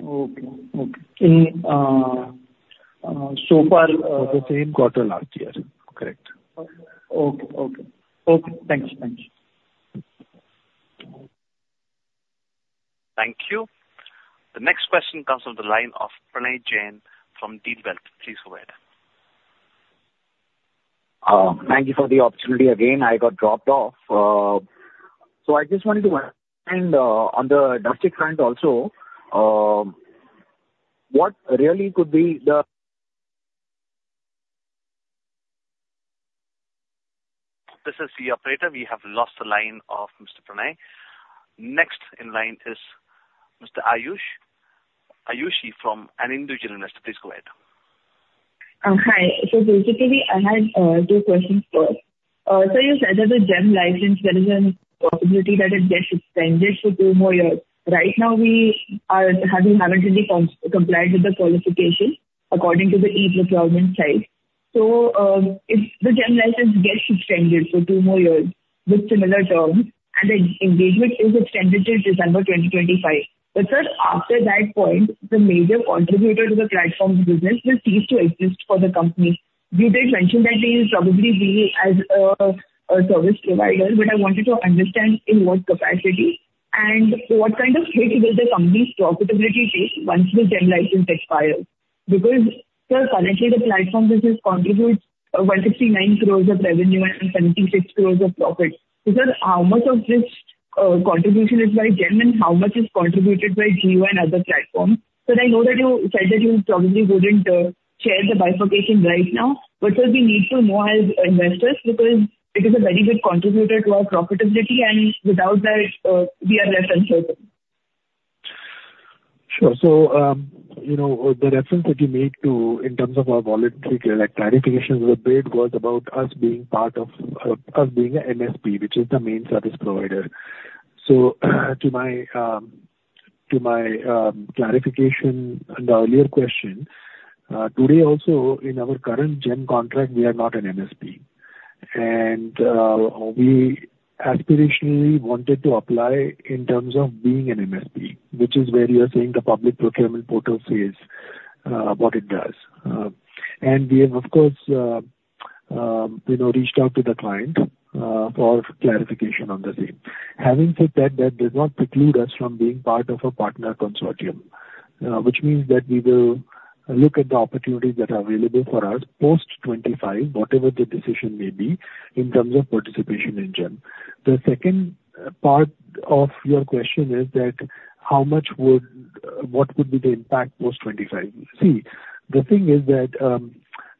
S11: Okay. Okay. In so far.
S3: The same quarter last year. Correct.
S11: Okay. Okay. Okay, thanks. Thanks.
S5: Thank you. The next question comes from the line of Pranay Jain from Deal Belt. Please go ahead.
S10: Thank you for the opportunity again. I got dropped off. I just wanted to understand on the domestic front also, what really could be the...
S5: This is the operator. We have lost the line of Mr. Pranay. Next in line is Mr. Ayushi, Ayushi from an Individual Investor. Please go ahead.
S12: Hi. Basically, I had two questions first. You said that the GeM license, there is a possibility that it gets extended to two more years. Right now, we haven't really complied with the qualification according to the e-requirement side. If the GeM license gets extended for two more years with similar terms, and the engagement is extended till December 2025, sir, after that point, the major contributor to the platforms business will cease to exist for the company. You did mention that they will probably be as a service provider, I wanted to understand in what capacity and what kind of hit will the company's profitability take once the GeM license expires? Sir, currently the platform business contributes 169 crores of revenue and 76 crores of profit. How much of this contribution is by GeM, and how much is contributed by uncertain and other platforms? I know that you said that you probably wouldn't share the bifurcation right now, there'll be need for more as investors, because it is a very good contributor to our profitability, and without that, we are less uncertain.
S3: Sure. you know, the reference that you made to in terms of our wallet, like, clarification a bit, was about us being part of us being an MSP, which is the main service provider. to my clarification on the earlier question, today also in our current GeM contract, we are not an MSP. we aspirationally wanted to apply in terms of being an MSP, which is where you are saying the public procurement portal says what it does. we have, of course, you know, reached out to the client for clarification on the same. Having said that does not preclude us from being part of a partner consortium, which means that we will look at the opportunities that are available for us post 25, whatever the decision may be, in terms of participation in GeM. The second part of your question is that, what would be the impact post 25? The thing is that,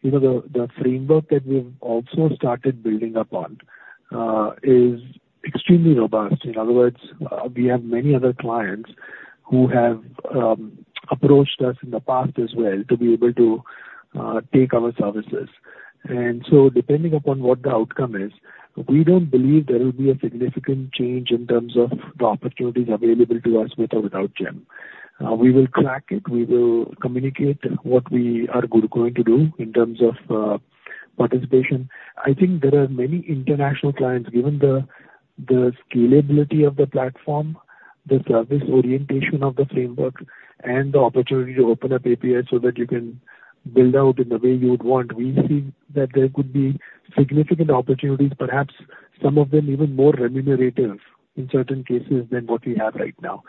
S3: you know, the framework that we've also started building upon, is extremely robust. In other words, we have many other clients who have approached us in the past as well, to be able to take our services. Depending upon what the outcome is, we don't believe there will be a significant change in terms of the opportunities available to us, with or without GeM. We will crack it. We will communicate what we are going to do in terms of participation. I think there are many international clients, given the scalability of the platform, the service orientation of the framework and the opportunity to open up API, so that you can build out in the way you would want. We see that there could be significant opportunities, perhaps some of them even more remunerative in certain cases than what we have right now.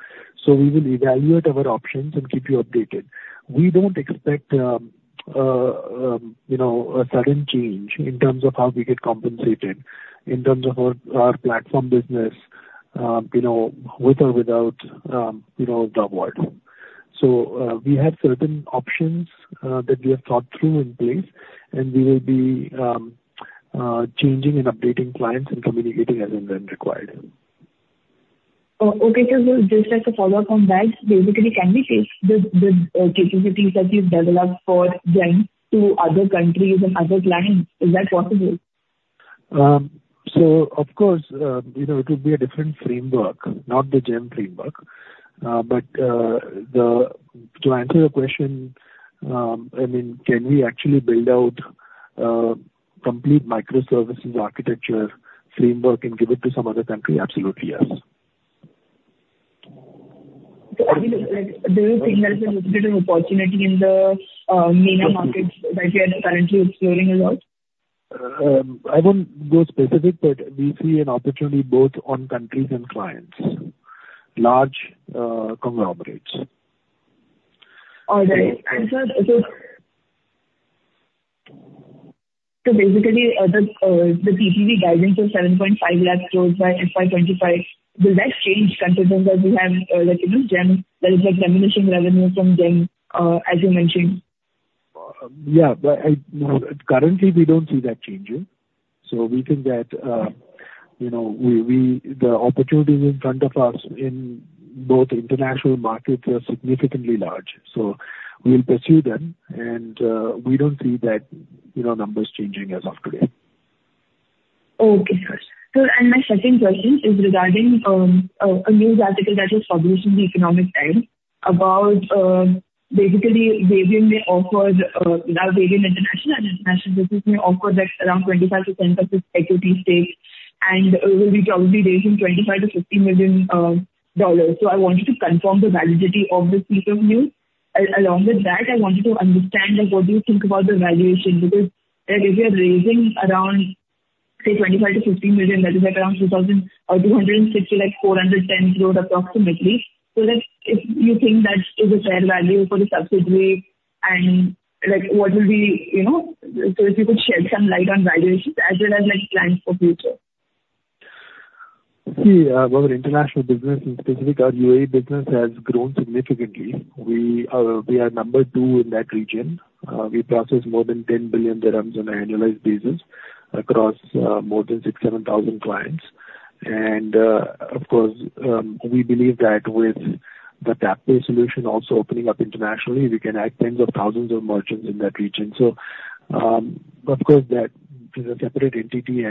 S3: We will evaluate our options and keep you updated. We don't expect, you know, a sudden change in terms of how we get compensated, in terms of our platform business, you know, with or without, you know, the world. We have certain options that we have thought through in place, and we will be changing and updating clients and communicating as and when required.
S12: Oh, okay. Just like a follow-up on that, basically, can we take the capabilities that we've developed for GeM to other countries and other clients? Is that possible?
S3: Of course, you know, it would be a different framework, not the GeM framework. To answer your question, I mean, can we actually build out complete microservices architecture framework and give it to some other country? Absolutely, yes.
S12: Do you think that there's a little opportunity in the MENA markets that you are currently exploring a lot?
S3: I won't go specific, but we see an opportunity both on countries and clients, large conglomerates.
S12: All right. Sir, basically, the PTB guidance is 7.5 lakh crores by FY 2025. Will that change considering that we have, like, you know, GeM, that is, like, diminishing revenue from GeM, as you mentioned?
S3: Currently, we don't see that changing. We think that, you know, we, the opportunities in front of us in both international markets are significantly large, so we'll pursue them. We don't see that, you know, numbers changing as of today.
S12: Okay, sir. Sir, my second question is regarding a news article that was published in The Economic Times about basically, uncertain and International Business may offer, like, around 25% of its equity stake, and will be probably raising $25 million-$50 million. I wanted to confirm the validity of this piece of news. Along with that, I wanted to understand, like, what do you think about the valuation? Because, like, if you're raising around, say, $25 million-$50 million, that is, like, around 2,000 or 260, like, 410 crores, approximately. If you think that is a fair value for the subsidiary, and, like, what will be, you know, if you could shed some light on valuations as well as, like, plans for future?
S3: See, our international business, in specific, our UAE business, has grown significantly. We, we are number two in that region. We process more than 10 billion dirhams on an annualized basis across more than 6,000-7,000 clients. Of course, we believe that with the TapPay solution also opening up internationally, we can add tens of thousands of merchants in that region. Of course, that is a separate entity,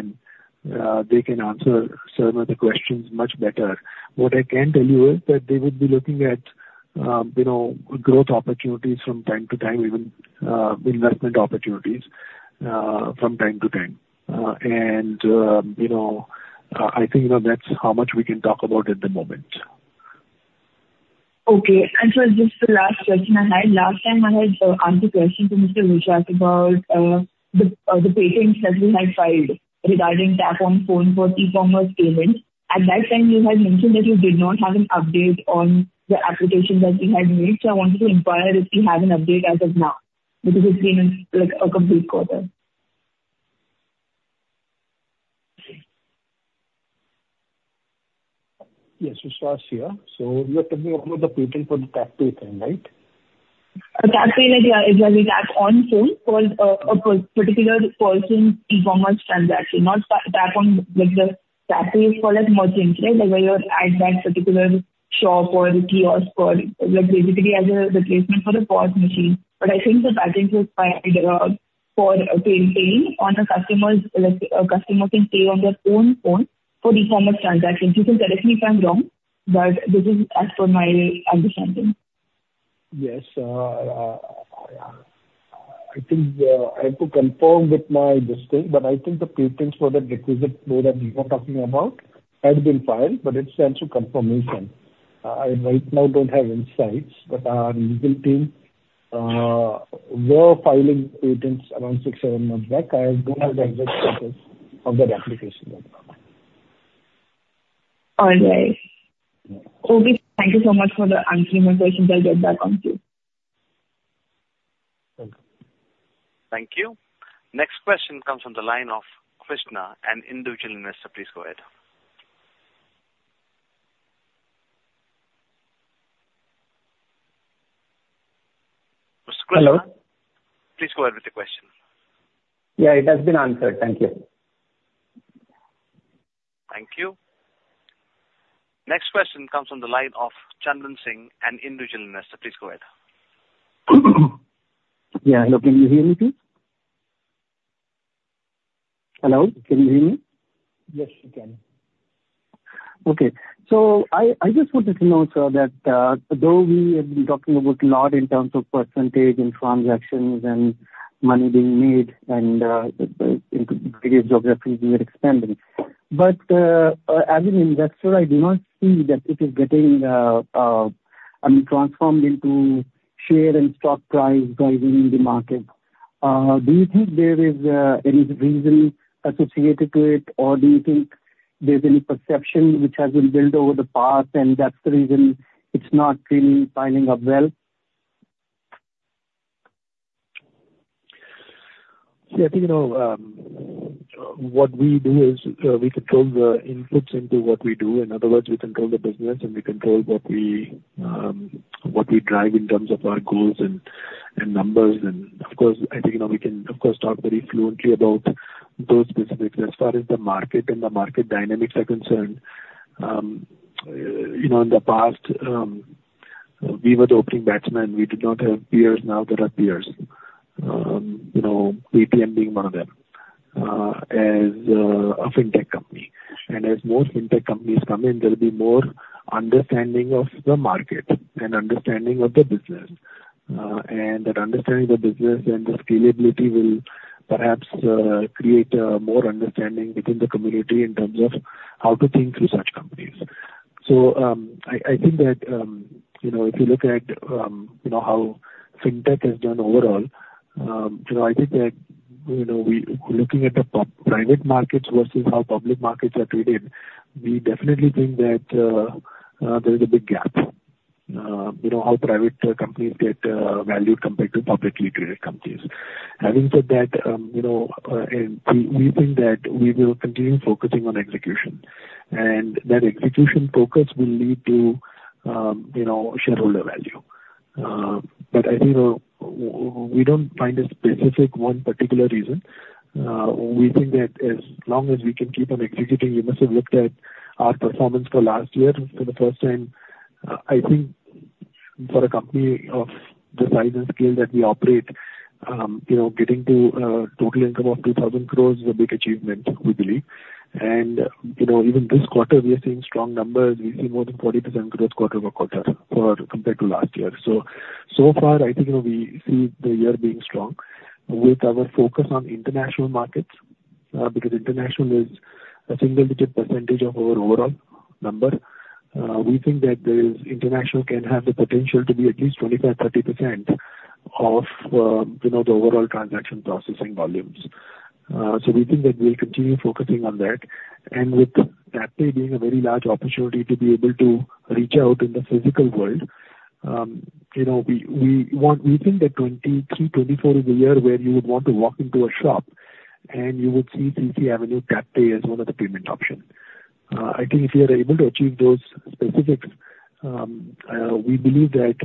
S3: they can answer some of the questions much better. What I can tell you is that they would be looking at, you know, growth opportunities from time to time, even investment opportunities from time to time. I think, you know, that's how much we can talk about at the moment.
S12: Okay. Just the last question I had. Last time I had asked a question to Mr. Mushaq about the patents that we had filed regarding tap-on-phone for e-commerce payments. At that time, you had mentioned that you did not have an update on the applications that we had made. I wanted to inquire if you have an update as of now, because it's been, like, a complete quarter.
S3: Yes, Vishwas here. We are talking about the payment for the TapPay thing, right?
S12: TapPay is a tap on phone for a particular person e-commerce transaction, not tap on like the TapPay is for like merchants, right? Like where you're at that particular shop or kiosk or like basically as a replacement for the POS machine. I think the patents was filed for paying on a customer's, a customer can pay on their own phone for e-commerce transactions. You can correct me if I'm wrong, but this is as per my understanding.
S3: Yes. I think I have to confirm with my business, but I think the patents for the requisite mode that we were talking about had been filed, but it stands for confirmation. I right now don't have insights, but our legal team were filing patents around six, seven months back. I don't have the exact status of that application at the moment.
S12: All right.
S3: Yeah.
S12: Okay, thank you so much for the answer to my questions. I'll get back on to you.
S3: Thank you.
S5: Thank you. Next question comes from the line of Krishna, an individual investor. Please go ahead. Krishna?
S6: Hello.
S5: Please go ahead with the question.
S6: Yeah, it has been answered. Thank you.
S5: Thank you. Next question comes from the line of Chandan Singh, an individual investor. Please go ahead.
S13: Yeah, hello. Can you hear me, please? Hello, can you hear me?
S5: Yes, we can.
S13: Okay. I just wanted to know, sir, that though we have been talking about a lot in terms of percentage and transactions and money being made and into various geographies we are expanding. As an investor, I do not see that it is getting, I mean, transformed into share and stock price driving in the market. Do you think there is any reason associated to it? Do you think there's any perception which has been built over the past, and that's the reason it's not really signing up well?
S3: See, I think, you know, what we do is, we control the inputs into what we do. In other words, we control the business, and we control what we, what we drive in terms of our goals and numbers. Of course, I think, you know, we can of course, talk very fluently about those specifics. As far as the market and the market dynamics are concerned, you know, in the past, we were the opening batsmen. We did not have peers. Now there are peers, you know, Paytm being one of them, as a fintech company. As more fintech companies come in, there'll be more understanding of the market and understanding of the business. That understanding the business and the scalability will perhaps create more understanding within the community in terms of how to think through such companies. I think that, you know, if you look at, you know, how fintech has done overall, you know, I think that, you know, looking at the private markets versus how public markets are traded, we definitely think that there is a big gap, you know, how private companies get valued compared to publicly traded companies. Having said that, you know, and we think that we will continue focusing on execution, and that execution focus will lead to, you know, shareholder value. I think we don't find a specific one particular reason. We think that as long as we can keep on executing, you must have looked at our performance for last year. For the first time, I think for a company of the size and scale that we operate, you know, getting to total income of 2,000 crores is a big achievement, we believe. You know, even this quarter, we are seeing strong numbers. We've seen more than 40% growth quarter-over-quarter compared to last year. So far, I think, you know, we see the year being strong with our focus on international markets, because international is a single-digit percentage of our overall number. We think that the international can have the potential to be at least 25%-30% of, you know, the overall transaction processing volumes. We think that we'll continue focusing on that. With TapPay being a very large opportunity to be able to reach out in the physical world, you know, we think that 2023, 2024 is a year where you would want to walk into a shop, and you would see CCAvenue TapPay as one of the payment options. I think if we are able to achieve those specifics, we believe that,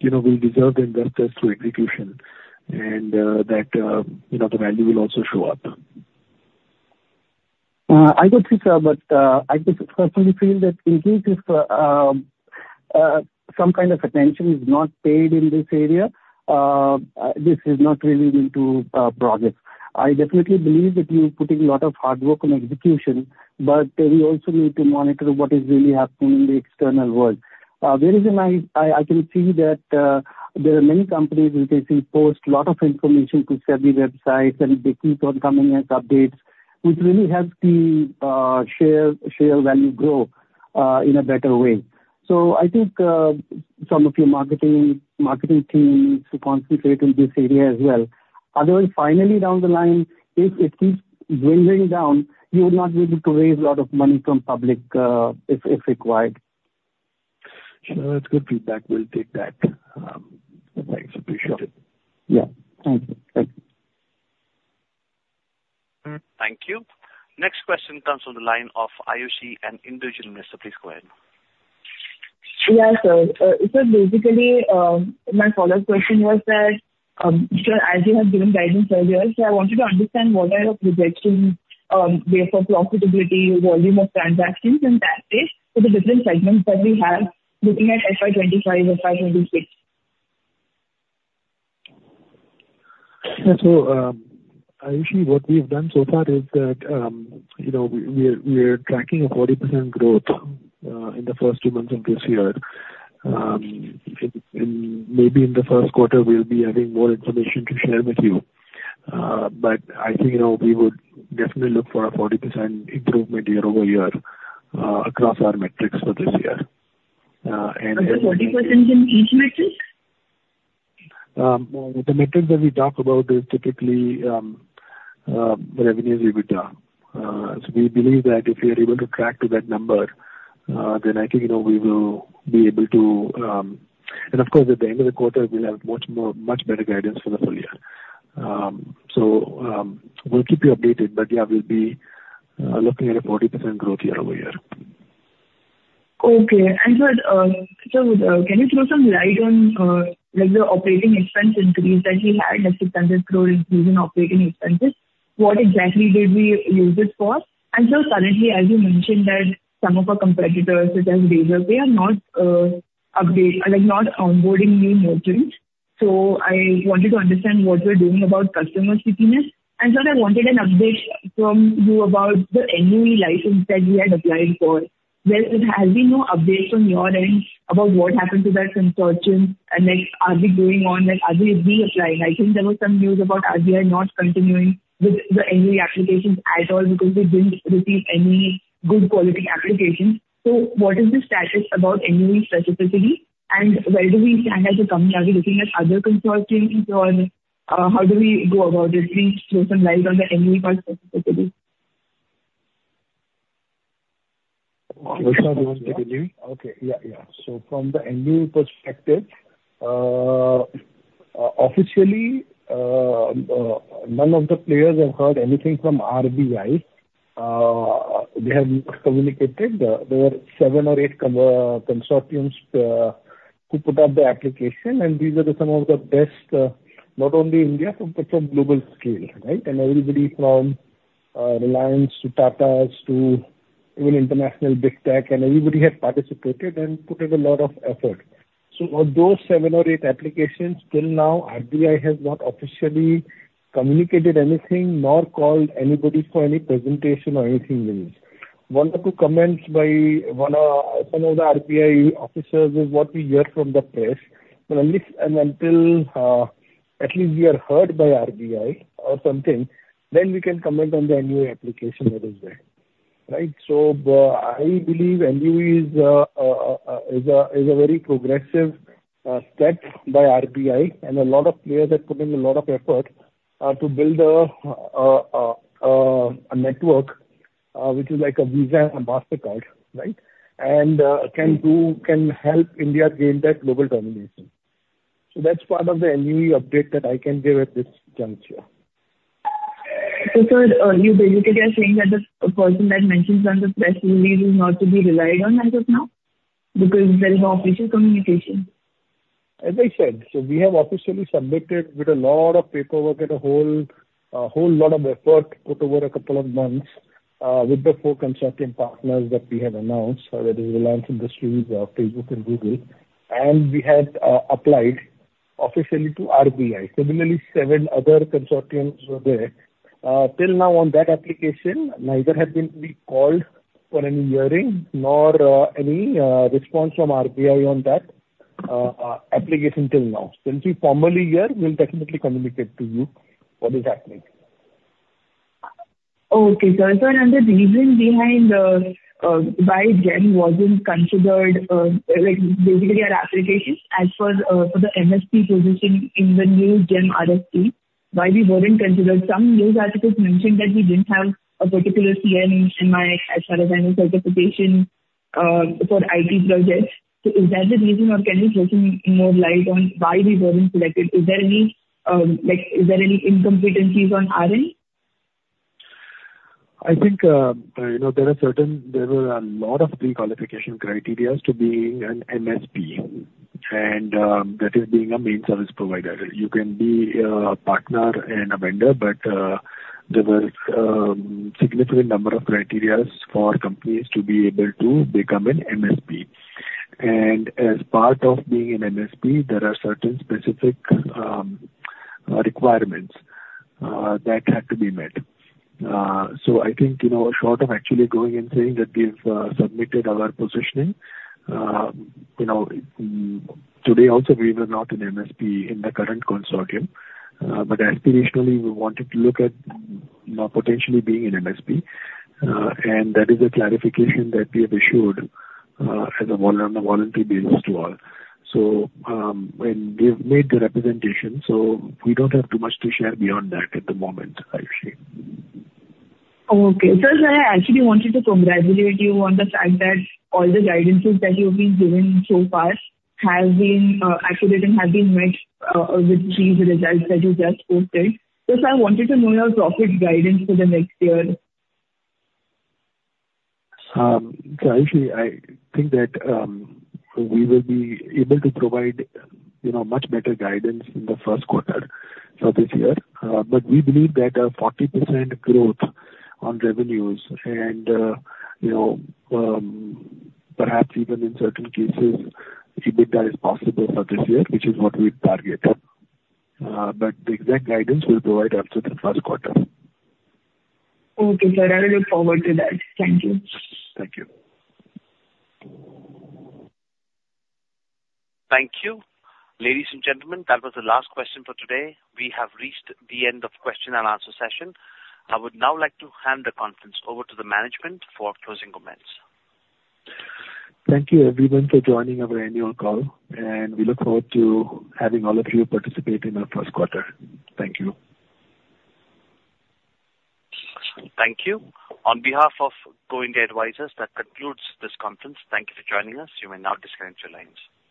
S3: you know, we deserve the investors through execution and, that, you know, the value will also show up.
S13: I got it, sir, but I just personally feel that increase is some kind of attention is not paid in this area. This is not really into progress. I definitely believe that you're putting a lot of hard work on execution, but we also need to monitor what is really happening in the external world. There is a nice. I can see that there are many companies which I see post a lot of information to certain websites, and they keep on coming as updates, which really helps the share value grow in a better way. I think some of your marketing teams to concentrate in this area as well. Otherwise, finally, down the line, if it keeps dwindling down, you will not be able to raise a lot of money from public, if required.
S3: Sure, it's good feedback. We'll take that. Thanks, appreciate it.
S5: Yeah. Thank you. Thank you. Next question comes from the line ofAyushi and Individual Investor. Please go ahead.
S14: Yeah, sir. Basically, my follow-up question was that, as you have given guidance earlier, I want you to understand what are your projections, based on profitability, volume of transactions, and that is for the different segments that we have, looking at FY 25 and FY 26.
S3: Ayushi, what we've done so far is that, you know, we're tracking a 40% growth in the first 2 months of this year. In maybe in the first quarter, we'll be having more information to share with you. I think, you know, we would definitely look for a 40% improvement year-over-year across our metrics for this year.
S14: 40% in each metric?
S3: The metrics that we talk about is typically, revenues EBITDA. We believe that if we are able to track to that number, then I think, you know, we will be able to. Of course, at the end of the quarter, we'll have much more, much better guidance for the full year. We'll keep you updated, but yeah, we'll be looking at a 40% growth year-over-year.
S12: Okay. Sir, can you throw some light on the OpEx increase that we had, a 600 crore increase in OpEx? What exactly did we use it for? Currently, as you mentioned, that some of our competitors, such as Razorpay, are not onboarding new merchants. I wanted to understand what we're doing about customer stickiness. Sir, I wanted an update from you about the NUE license that we had applied for. Has there been no update from your end about what happened to that consortium? Are we reapplying? I think there was some news about RBI not continuing with the NUE applications at all because they didn't receive any good quality applications. What is the status about NUE specifically, and where do we stand as a company? Are we looking at other consortiums, or how do we go about it? Please throw some light on the NUE part specifically.
S3: Okay. Yeah, yeah. From the NUE perspective, officially, none of the players have heard anything from RBI. They have not communicated. There were seven or eight consortiums who put up the application, and these are some of the best, not only India, but from global scale, right? Everybody from Reliance to Tatas to even international big tech, and everybody has participated and put in a lot of effort. Of those seven or eight applications, till now, RBI has not officially communicated anything, nor called anybody for any presentation or anything else. one or two comments by one, some of the RBI officers is what we hear from the press. Unless, and until, at least we are heard by RBI or something, then we can comment on the NUE application that is there, right? I believe NUE is a very progressive step by RBI, and a lot of players have put in a lot of effort to build a network which is like a Visa and Mastercard, right? Can do, can help India gain that global domination. That's part of the NUE update that I can give at this juncture.
S12: Sir, you basically are saying that the information that mentions on the press release is not to be relied on as of now, because there is no official communication?
S3: As I said, we have officially submitted with a lot of paperwork and a whole lot of effort put over a couple of months, with the four consortium partners that we have announced, that is Reliance Industries, Facebook and Google, and we have applied officially to RBI. Seven other consortiums were there. Till now on that application, neither have we been called for any hearing nor any response from RBI on that application till now. Once we formally hear, we'll definitely communicate to you what is happening.
S12: Okay, sir. Sir, and the reason behind why GeM wasn't considered, basically our application as per for the MSP position in the new GeM RFP, why we weren't considered? Some news articles mentioned that we didn't have a particular CNN in my as far as any certification for IT projects. Is that the reason, or can you throw some more light on why we weren't selected? Is there any, is there any incompetencies on our end?
S3: I think, you know, there were a lot of pre-qualification criterias to being an MSP, and that is being a main service provider. You can be a partner and a vendor, but there was significant number of criterias for companies to be able to become an MSP. As part of being an MSP, there are certain specific requirements that had to be met. I think, you know, short of actually going and saying that we've submitted our positioning, you know, today also we were not an MSP in the current consortium. Aspirationally, we wanted to look at, you know, potentially being an MSP, and that is a clarification that we have issued on a voluntary basis to all. We've made the representation, so we don't have too much to share beyond that at the moment, Ayushi.
S12: Sir, I actually wanted to congratulate you on the fact that all the guidances that you've been giving so far have been accurate and have been met with the results that you just posted. Sir, I wanted to know your profit guidance for the next year.
S3: Ayushi, I think that, we will be able to provide, you know, much better guidance in the first quarter of this year. We believe that a 40% growth on revenues and, you know, perhaps even in certain cases, EBITDA is possible for this year, which is what we target. The exact guidance we'll provide after the first quarter.
S12: Okay, sir. I look forward to that. Thank you.
S3: Thank you.
S5: Thank you. Ladies and gentlemen, that was the last question for today. We have reached the end of question and answer session. I would now like to hand the conference over to the management for closing comments.
S3: Thank you everyone for joining our annual call, and we look forward to having all of you participate in our first quarter. Thank you.
S5: Thank you. On behalf of Go India Advisors, that concludes this conference. Thank you for joining us. You may now disconnect your lines.